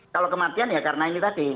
kalau kematian ya karena ini tadi